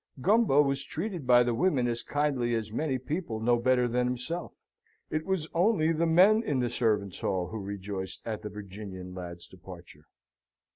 Gumbo was treated by the women as kindly as many people no better than himself: it was only the men in the servants' hall who rejoiced at the Virginian lad's departure.